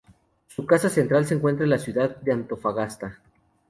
Su casa central se encuentra en la ciudad de Antofagasta.